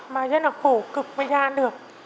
mà rất là khổ cực mới ra được